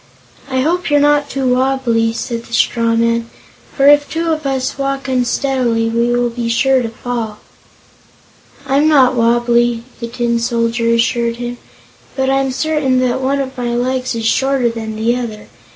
"I hope you're not wobbly," said the straw man, "for if two of us walk unsteadily we will be sure to fall." "I'm not wobbly," the Tin Soldier assured him, "but I'm certain that one of my legs is shorter than the other.